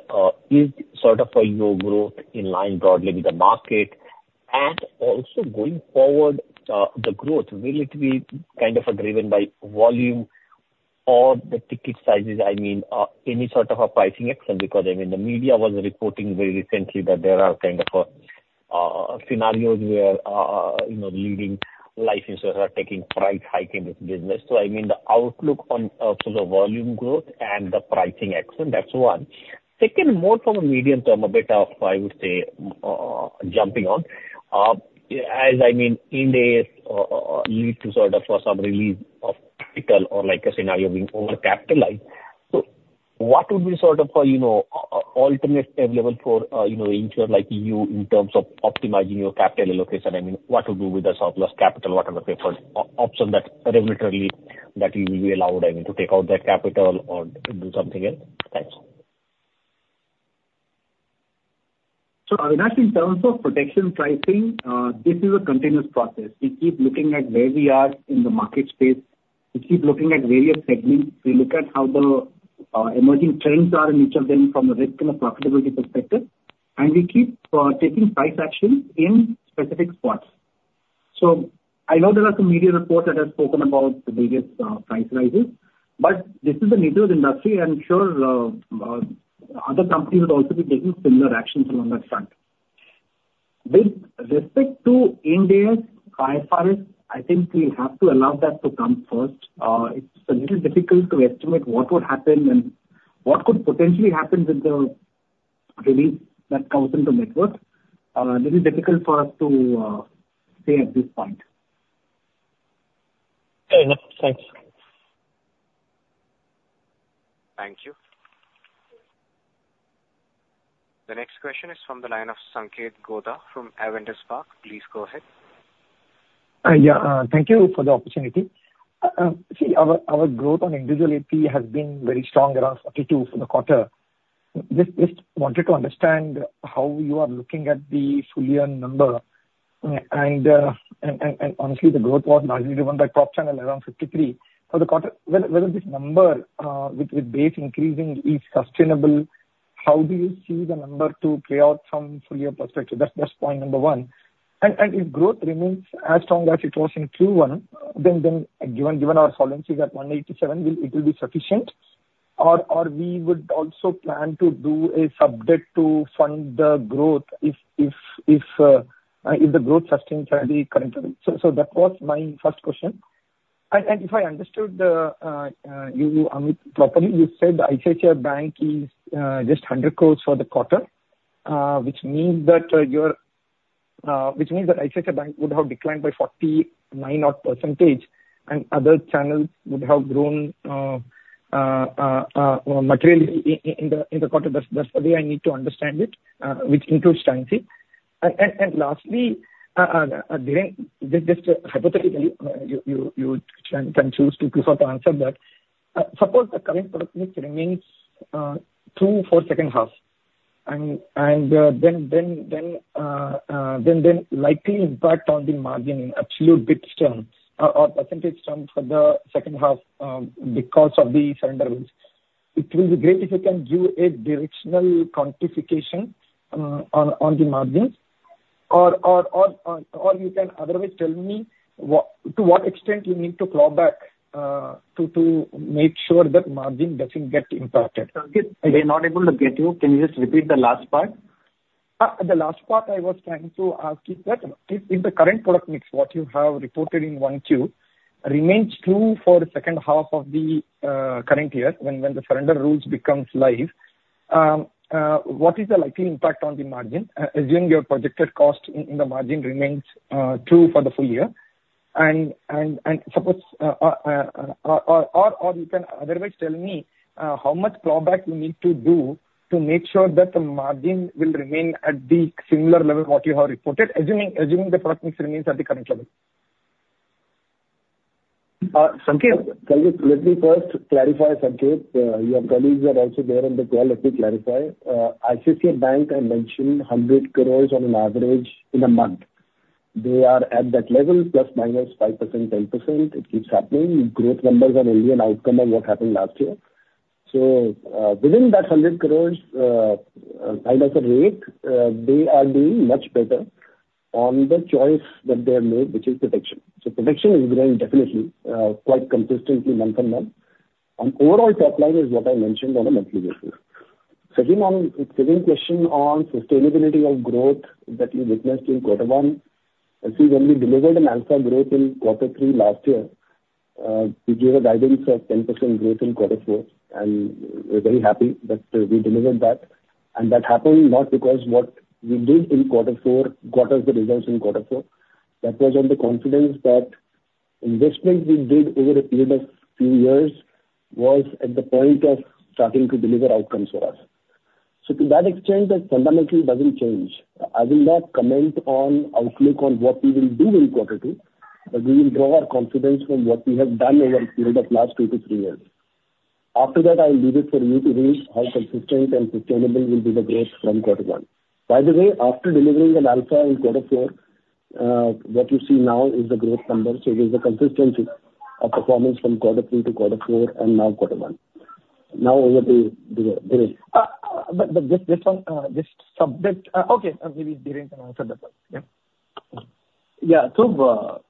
is sort of your growth in line broadly with the market? And also going forward, the growth, will it be kind of driven by volume or the ticket sizes? I mean, any sort of a pricing action? Because I mean, the media was reporting very recently that there are kind of scenarios where leading life insurers are taking price hike in this business. So I mean, the outlook for the volume growth and the pricing action, that's one. Second, more for the medium term, a bit of, I would say, jumping on, as I mean, indeed leads to sort of some release of capital or a scenario being over-capitalized. What would be sort of alternate available for insurers like you in terms of optimizing your capital allocation? I mean, what to do with a surplus capital, whatever preferred option that regulatorily that you will be allowed, I mean, to take out that capital or do something else? Thanks. So Avinash, in terms of protection pricing, this is a continuous process. We keep looking at where we are in the market space. We keep looking at various segments. We look at how the emerging trends are in each of them from a risk and a profitability perspective. And we keep taking price action in specific spots. So I know there are some media reports that have spoken about the various price rises. But this is the nature of the industry. And I'm sure other companies would also be taking similar actions along that front. With respect to Ind AS, IFRS, I think we have to allow that to come first. It's a little difficult to estimate what would happen and what could potentially happen with the rules that come into effect. This is difficult for us to say at this point. Fair enough. Thanks. Thank you. The next question is from the line of Sanketh Godha from Avendus Spark. Please go ahead. Yeah. Thank you for the opportunity. See, our growth on individual AP has been very strong around 42% for the quarter. Just wanted to understand how you are looking at the full year number. And honestly, the growth was largely driven by prop channel around 53% for the quarter. Whether this number, with base increasing, is sustainable, how do you see the number to play out from full year perspective? That's point number one. And if growth remains as strong as it was in Q1, then given our solvency at 187%, it will be sufficient? Or we would also plan to do a sub-debt to fund the growth if the growth sustains at the current level? So that was my first question. If I understood you, Amit, properly, you said ICICI Bank is just 100 crore for the quarter, which means that ICICI Bank would have declined by 49-odd% and other channels would have grown materially in the quarter. That's the way I need to understand it, which includes agency. Lastly, Dhiren, just hypothetically, you can choose to prefer to answer that. Suppose the current product mix remains true for second half. Then likely impact on the margin in absolute terms or percentage terms for the second half because of the surrender rules. It will be great if you can do a directional quantification on the margins. Or you can otherwise tell me to what extent you need to claw back to make sure that margin doesn't get impacted. We are not able to get you. Can you just repeat the last part? The last part I was trying to ask you that, if the current product mix, what you have reported in 1Q, remains true for the second half of the current year when the surrender rules become live, what is the likely impact on the margin? Assuming your projected cost in the margin remains true for the full year. And suppose or you can otherwise tell me how much clawback you need to do to make sure that the margin will remain at the similar level what you have reported, assuming the product mix remains at the current level? Sanketh, let me first clarify, Sanketh. Your colleagues are also there on the call. Let me clarify. ICICI Bank, I mentioned, 100 crore on an average in a month. They are at that level, ±5% to 10%. It keeps happening. Growth numbers are only an outcome of what happened last year. So within that 100 crore, kind of a rate, they are doing much better on the choice that they have made, which is protection. So protection is growing definitely quite consistently month-on-month. On overall top line is what I mentioned on a monthly basis. Second question on sustainability of growth that you witnessed in quarter one. See, when we delivered an alpha growth in quarter three last year, we gave a guidance of 10% growth in quarter four. And we're very happy that we delivered that. That happened not because what we did in quarter four got us the results in quarter four. That was on the confidence that investment we did over a period of few years was at the point of starting to deliver outcomes for us. So to that extent, that fundamentally doesn't change. I will not comment on outlook on what we will do in quarter two, but we will draw our confidence from what we have done over a period of last two to three years. After that, I'll leave it for you to read how consistent and sustainable will be the growth from quarter one. By the way, after delivering an alpha in quarter four, what you see now is the growth number. So there's a consistency of performance from quarter three to quarter four and now quarter one. Now, over to Dhiren. But just sub-debt. Okay. Maybe Dhiren can answer that one. Yeah. Yeah. So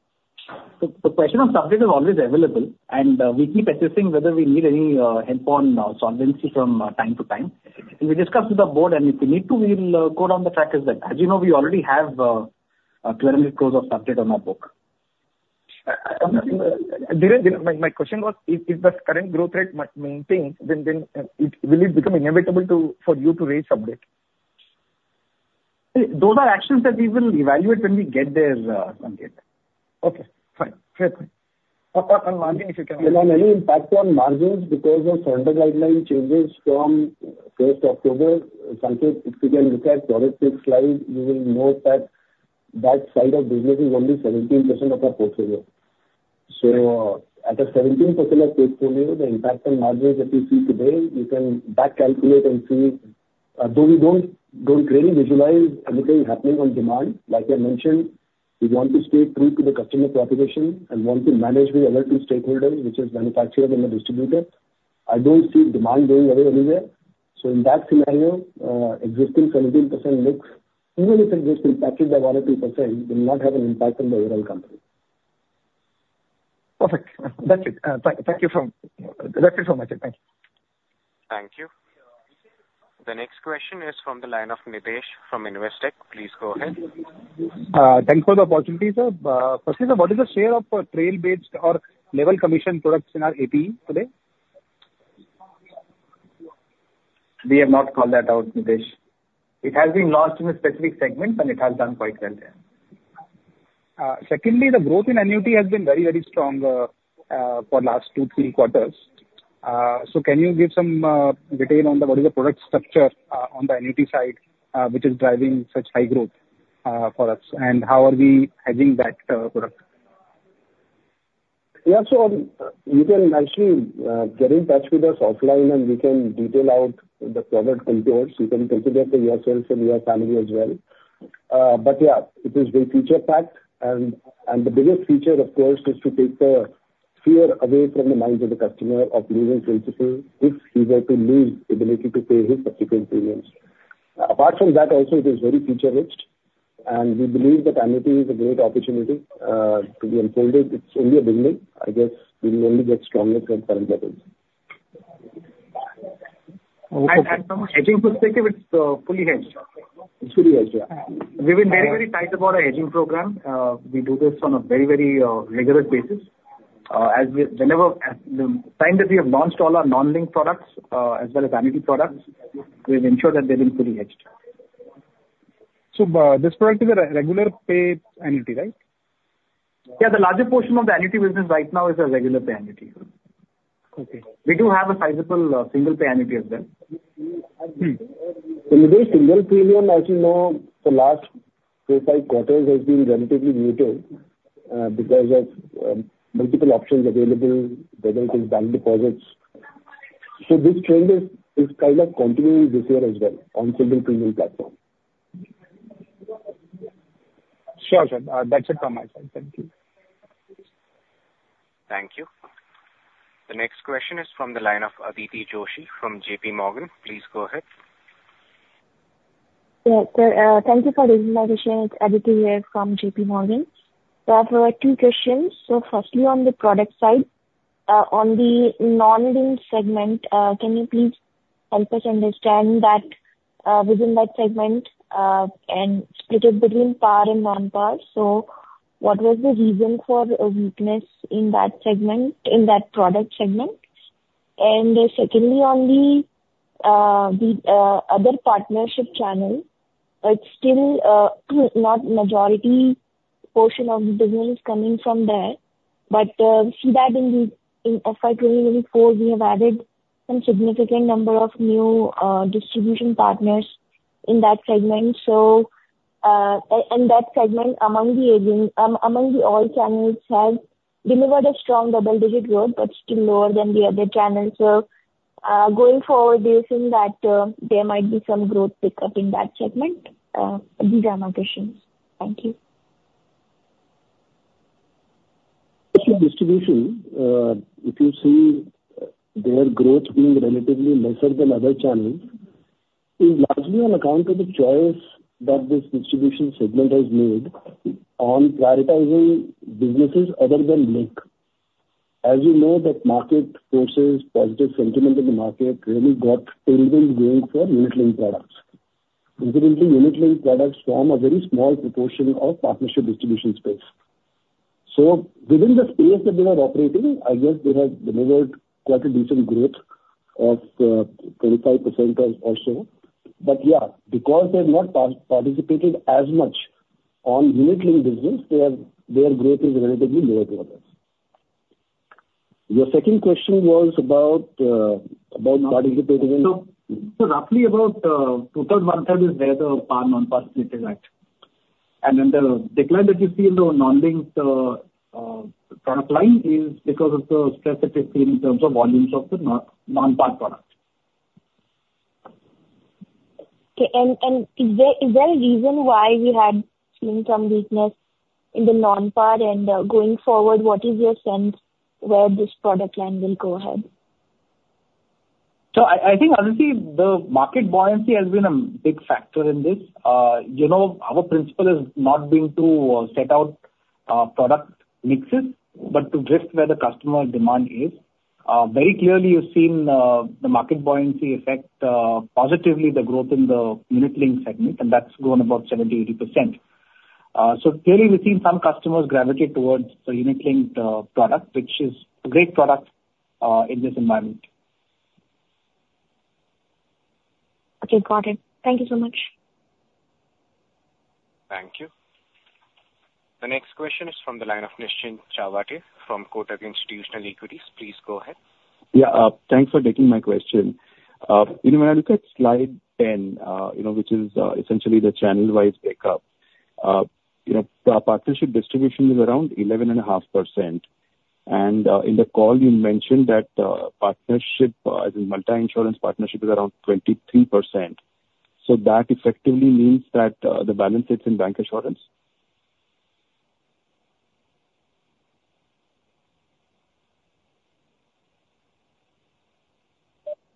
the question on sub-debt is always available. We keep assessing whether we need any solvency headroom from time to time. We discussed with the board. If we need to, we'll go down the track as that. As you know, we already have INR 200 crore of sub-debt on our book. My question was, if the current growth rate must maintain, then will it become inevitable for you to raise sub-debt? Those are actions that we will evaluate when we get there Sanketh. Okay. Fine. Fair point. On margin, if you can- There are many impacts on margins because of surrender guideline changes from first October. Sanketh, if you can look at the product mix slide, you will note that that side of business is only 17% of our portfolio. So at a 17% of portfolio, the impact on margins that you see today, you can back calculate and see. Though we don't really visualize anything happening on demand, like I mentioned, we want to stay true to the customer cooperation and want to manage with other two stakeholders, which is manufacturers and the distributor. I don't see demand going away anywhere. So in that scenario, existing 17% mix, even if it gets impacted by 1%-2%, will not have an impact on the overall company. Perfect. That's it. Thank you so much. Thank you. Thank you. The next question is from the line of Nidhesh from Investec. Please go ahead. Thanks for the opportunity, sir. What is the share of trail-based or level commission products in our AP today? We have not called that out, Nidhesh. It has been lost in a specific segment, but it has done quite well there. Secondly, the growth in Annuity has been very, very strong for the last 2-3 quarters. So can you give some detail on what is the product structure on the Annuity side, which is driving such high growth for us? And how are we hedging that product? Yeah. So you can actually get in touch with us offline, and we can detail out the product components. You can consider for yourself and your family as well. But yeah, it is very feature-packed. And the biggest feature, of course, is to take the fear away from the minds of the customer of losing principal if he were to lose the ability to pay his subsequent premiums. Apart from that, also, it is very feature-rich. And we believe that Annuity is a great opportunity to be unfolded. It's only a beginning. I guess we will only get stronger from current levels. From a hedging perspective, it's fully hedged. It's fully hedged, yeah. We've been very, very tight about our hedging program. We do this on a very, very rigorous basis. The time that we have launched all our non-linked products as well as unit products, we've ensured that they've been fully hedged. This product is a regular pay NUT, right? Yeah. The larger portion of the NUT business right now is a regular pay NUT. We do have a sizable single pay NUT as well. When you do a single premium, as you know, the last 4, 5 quarters has been relatively muted because of multiple options available, whether it is bank deposits. So this trend is kind of continuing this year as well on single premium platform. Sure, sir. That's it from my side. Thank you. Thank you. The next question is from the line of Aditi Joshi from JPMorgan. Please go ahead. Yeah. Thank you for the invitation. It's Aditi here from JPMorgan. So I have two questions. So firstly, on the product side, on the non-linked segment, can you please help us understand that within that segment and split it between par and non-par? So what was the reason for a weakness in that product segment? And secondly, on the other partnership channel, it's still not majority portion of the business coming from there. But we see that in FY 2024, we have added some significant number of new distribution partners in that segment. And that segment, among the all channels, has delivered a strong double-digit growth, but still lower than the other channels. So going forward, do you think that there might be some growth pickup in that segment? These are my questions. Thank you. Actually, distribution, if you see their growth being relatively lesser than other channels, is largely on account of the choice that this distribution segment has made on prioritizing businesses other than link. As you know, that market forces positive sentiment in the market really got tailwinds going for unit-linked products. Incidentally, unit-linked products form a very small proportion of partnership distribution space. So within the space that they are operating, I guess they have delivered quite a decent growth of 25% or so. But yeah, because they have not participated as much on unit-linked business, their growth is relatively lower to others. Your second question was about participating in. So roughly about 2/3, 1/3 is where the PAR/non-PAR split is at. And then the decline that you see in the non-linked product line is because of the stress that you've seen in terms of volumes of the non-PAR product. Okay. And is there a reason why we had seen some weakness in the non-par? And going forward, what is your sense where this product line will go ahead? So I think, honestly, the market buoyancy has been a big factor in this. Our principle has not been to set out product mixes, but to drift where the customer demand is. Very clearly, you've seen the market buoyancy affect positively the growth in the unit-linked segment, and that's grown about 70%-80%. So clearly, we've seen some customers gravitate towards the unit-linked product, which is a great product in this environment. Okay. Got it. Thank you so much. Thank you. The next question is from the line of Nischint Chawathe from Kotak Institutional Equities. Please go ahead. Yeah. Thanks for taking my question. When I look at slide 10, which is essentially the channel-wise breakup, our partnership distribution is around 11.5%. And in the call, you mentioned that partnership as a multi-insurance partnership is around 23%. So that effectively means that the balance sits in bancassurance?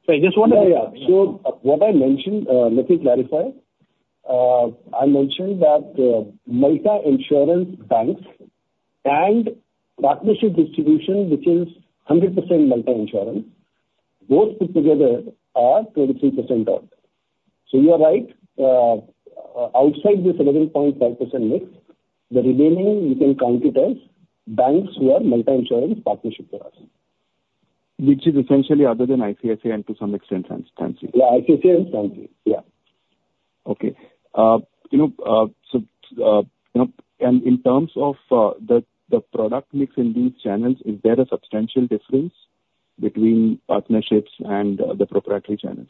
So I just want to make sure what I mentioned, let me clarify. I mentioned that multi-insurance banks and partnership distribution, which is 100% multi-insurance, both put together are 23% odd. So you are right. Outside this 11.5% mix, the remaining, you can count it as banks who are multi-insurance partnership for us. Which is essentially other than ICICI and Standard Chartered to some extent. Yeah. ICICI and Standard Chartered. Yeah. Okay. And in terms of the product mix in these channels, is there a substantial difference between partnerships and the proprietary channels?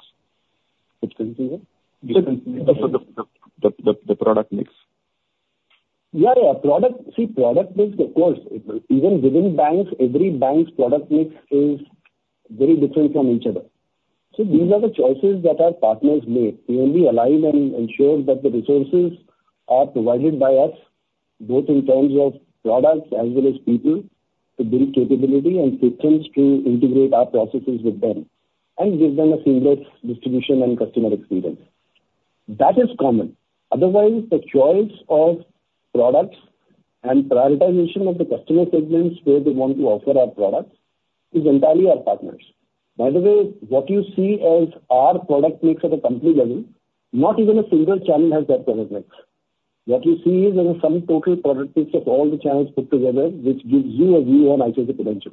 Substantial? The product mix. Yeah. Yeah. See, product mix, of course, even within banks, every bank's product mix is very different from each other. So these are the choices that our partners make. We only align and ensure that the resources are provided by us, both in terms of products as well as people to build capability and systems to integrate our processes with them and give them a seamless distribution and customer experience. That is common. Otherwise, the choice of products and prioritization of the customer segments where they want to offer our products is entirely our partners. By the way, what you see as our product mix at a company level, not even a single channel has that product mix. What you see is a sum total product mix of all the channels put together, which gives you a view on ICICI potential.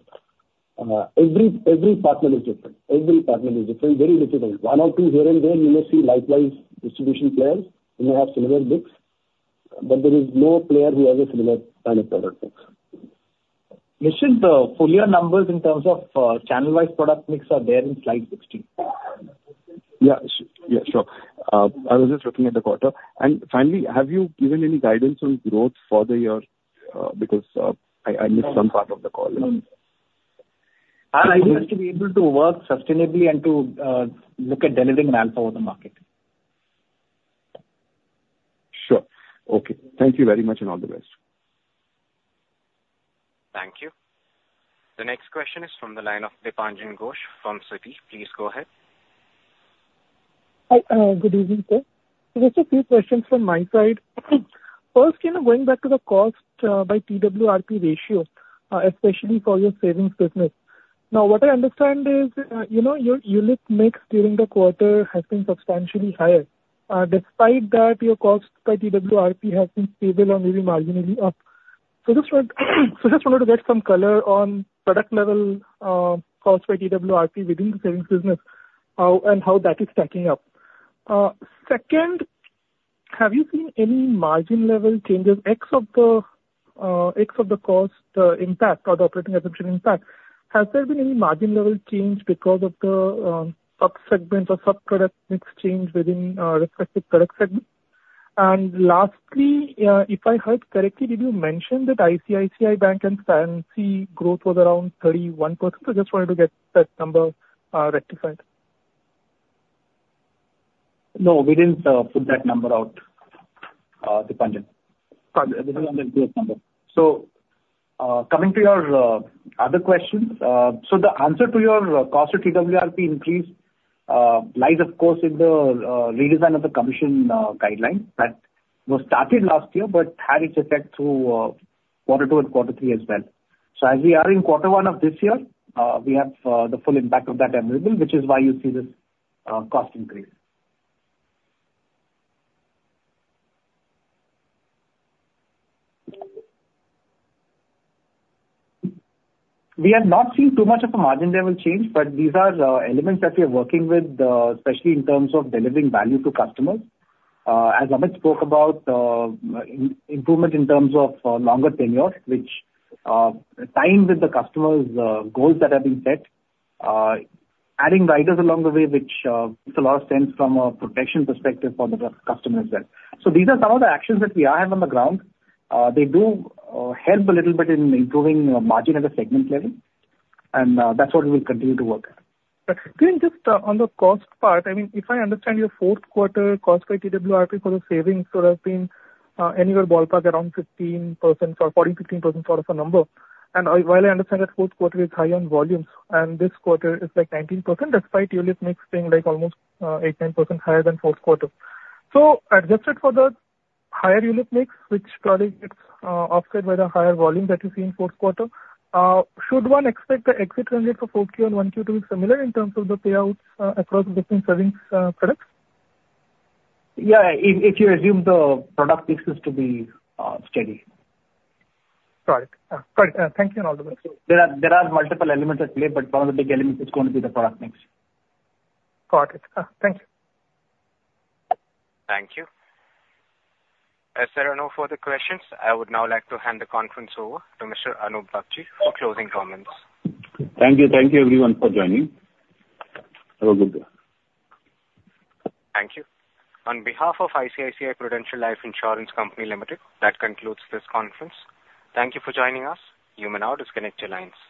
Every partner is different. Every partner is different. Very little. One or two here and there, you may see likewise distribution players who may have similar mix, but there is no player who has a similar kind of product mix. Nischint, the full year numbers in terms of channel-wise product mix are there in slide 16. Yeah. Yeah. Sure. I was just looking at the quarter. And finally, have you given any guidance on growth further year? Because I missed some part of the call. Our idea is to be able to work sustainably and to look at delivering an alpha over the market. Sure. Okay. Thank you very much and all the best. Thank you. The next question is from the line of Dipanjan Ghosh from Citi. Please go ahead. Hi. Good evening, sir. Just a few questions from my side. First, going back to the cost by TWRP ratio, especially for your savings business. Now, what I understand is your unit mix during the quarter has been substantially higher. Despite that, your cost by TWRP has been stable or maybe marginally up. So just wanted to get some color on product-level cost by TWRP within the savings business and how that is stacking up. Second, have you seen any margin-level changes? In terms of the cost impact or the operating assumption impact, has there been any margin-level change because of the subsegment or subproduct mix change within respective product segments? And lastly, if I heard correctly, did you mention that ICICI Bank and SCB growth was around 31%? I just wanted to get that number rectified. No. We didn't put that number out, Dipanjan. That is not the growth number. So coming to your other questions, so the answer to your cost of TWRP increase lies, of course, in the redesign of the commission guideline that was started last year but had its effect through quarter two and quarter three as well. So as we are in quarter one of this year, we have the full impact of that available, which is why you see this cost increase. We have not seen too much of a margin-level change, but these are elements that we are working with, especially in terms of delivering value to customers. As Amit spoke about, improvement in terms of longer tenure, which aligns with the customer's goals that have been set, adding riders along the way, which makes a lot of sense from a protection perspective for the customer as well. These are some of the actions that we have on the ground. They do help a little bit in improving margin at a segment level. That's what we will continue to work at. But again, just on the cost part, I mean, if I understand your fourth quarter cost by TWRP for the savings would have been anywhere ballpark around 15% or 14%-15% sort of a number. And while I understand that fourth quarter is high on volumes, and this quarter is like 19%, despite unit mix being like almost 8-9% higher than fourth quarter. So adjusted for the higher unit mix, which probably gets offset by the higher volume that you see in fourth quarter, should one expect the exit range for 4Q and 1Q to be similar in terms of the payouts across different savings products? Yeah. If you assume the product mixes to be steady. Got it. Got it. Thank you and all the best. There are multiple elements at play, but one of the big elements is going to be the product mix. Got it. Thank you. Thank you. As there are no further questions, I would now like to hand the conference over to Mr. Anup Bagchi for closing comments. Thank you. Thank you, everyone, for joining. Have a good day. Thank you. On behalf of ICICI Prudential Life Insurance Company Limited, that concludes this conference. Thank you for joining us. You may now disconnect your lines.